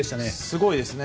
すごいですね。